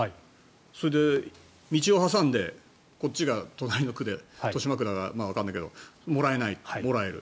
それで道を挟んでこっちが隣の区で豊島区だかわからないけどもらえない、もらえる。